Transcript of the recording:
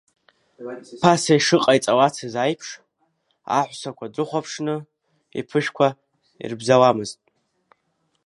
Ԥаса ишыҟаиҵалацыз аиԥш, аҳәсақәа дрыхәаԥшны иԥышәқәа ирбзауамызт…